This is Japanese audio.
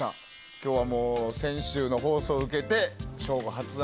今日は先週の放送を受けて省吾発案！